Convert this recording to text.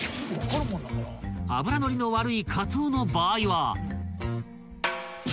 ［脂ノリの悪いカツオの場合は］